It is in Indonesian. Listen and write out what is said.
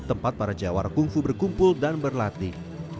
tempat para jawara kungfu berkumpul dan berlatih